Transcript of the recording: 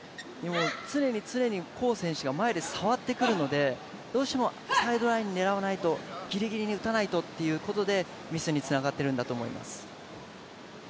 常に常に黄選手が前に触ってくるので、どうしてもサイドラインを狙わないと、ギリギリに打たないとということでミスにつながっているんだと思います。